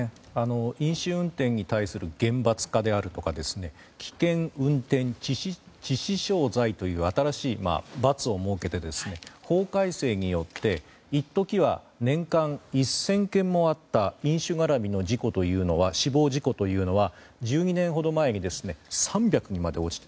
飲酒運転に対する厳罰化であるとか危険運転致死傷罪という新しい罰を設けて法改正によって一時は年間１０００件もあった飲酒絡みの死亡事故というのは１２年ほど前に３００にまで落ちた。